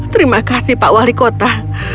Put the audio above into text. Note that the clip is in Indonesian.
terima kasih pak wali kota